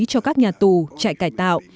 cho các nhà tù trại cải tạo